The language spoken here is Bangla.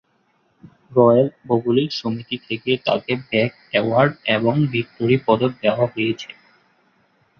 রয়েল ভৌগোলিক সমিতি থেকে তাকে ব্যাক অ্যাওয়ার্ড এবং ভিক্টোরিয়া পদক দেওয়া হয়েছে।